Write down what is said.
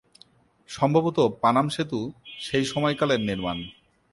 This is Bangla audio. সম্ভবত পানাম সেতু সেই সময়কালের নির্মাণ।